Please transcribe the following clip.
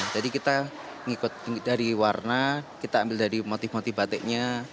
jadi kita mengikut dari warna kita ambil dari motif motif batiknya